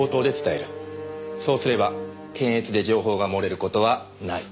そうすれば検閲で情報が漏れる事はない。